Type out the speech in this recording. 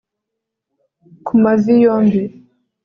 ku mavi yombi